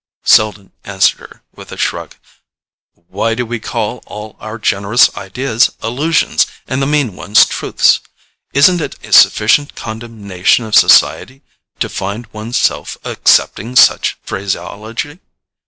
Selden answered her with a shrug. "Why do we call all our generous ideas illusions, and the mean ones truths? Isn't it a sufficient condemnation of society to find one's self accepting such phraseology?